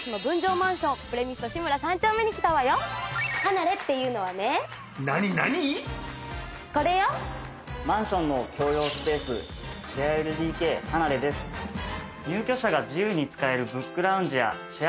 マンションの共用スペース入居者が自由に使えるブックラウンジやシェア